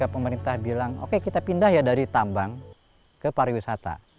pemerintah bilang oke kita pindah ya dari tambang ke pariwisata